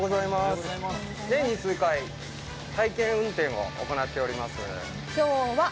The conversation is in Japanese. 年に数回、体験運転を行っております。